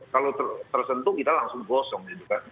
kalau tersentuh kita langsung gosong